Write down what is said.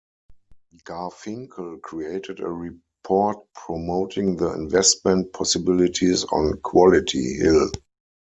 Garfinkle created a report promoting the investment possibilities on Quality Hill.